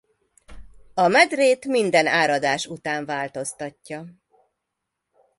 A medrét minden áradás után változtatja.